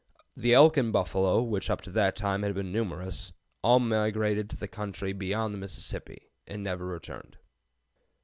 The elk and buffalo, which up to that time had been numerous, all migrated to the country beyond the Mississippi, and never returned.